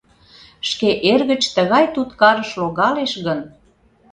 — Шке эргыч тыгай туткарыш логалеш гын?